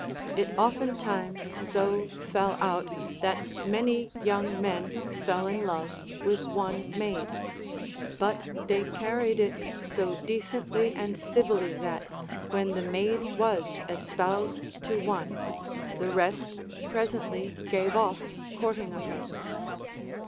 It oftentimes so fell out that many young CONCERNING ΤίΙΕ ΛαΚΤΠΕΒ OF WOMEN. 355 men fell in \o\e with one maid ; but they carried it so de cently and civilly that, when the maid was espoused to one, the rest presently gave off courting of her.